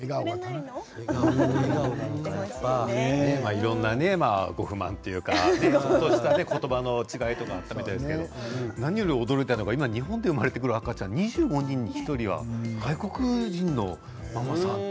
いろんなご不満というかちょっとした言葉の違いとかあったみたいですけど何より驚いたのが今日本で生まれてくる赤ちゃん２５人に１人が外国人のママさん